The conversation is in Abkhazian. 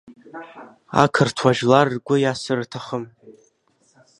Ақырҭуа жәлар ргәы иасыр рҭахым.